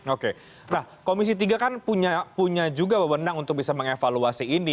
oke nah komisi tiga kan punya juga wewenang untuk bisa mengevaluasi ini